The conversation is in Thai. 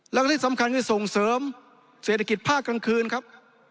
แล้วก็ที่สำคัญคือส่งเสริมเศรษฐกิจภาคกลางคืนครับ